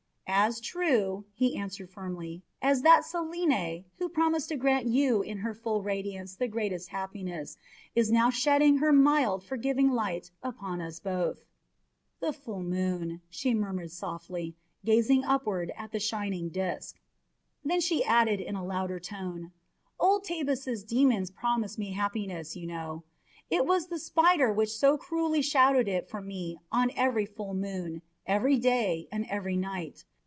"As true," he answered warmly, "as that Selene, who promised to grant you in her full radiance the greatest happiness, is now shedding her mild, forgiving light upon us both." "The full moon," she murmured softly, gazing upward at the shining disk. Then she added in a louder tone: "Old Tabus's demons promised me happiness you know. It was the spider which so cruelly shadowed it for me on every full moon, every day, and every night.